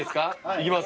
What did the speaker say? いきます